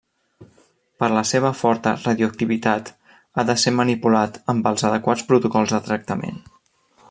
Per la seva forta radioactivitat ha de ser manipulat amb els adequats protocols de tractament.